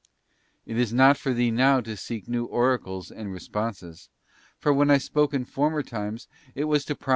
It is not for thee now to seek new oracles and responses; for when I spoke in former times it was to promise * Heb.